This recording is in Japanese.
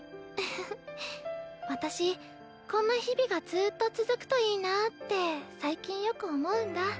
私こんな日々がずっと続くといいなぁって最近よく思うんだ。